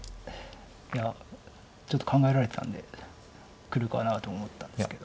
いやちょっと考えられてたんでくるかなと思ったんですけど。